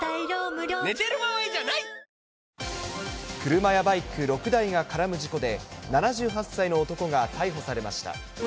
車やバイク６台が絡む事故で、７８歳の男が逮捕されました。